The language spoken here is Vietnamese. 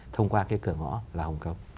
thông qua cái cửa ngõ là hồng kông